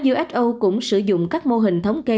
who cũng sử dụng các mô hình thống trị